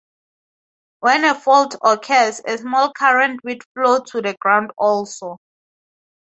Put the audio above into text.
When a fault occurs, a small current will flow to the ground also.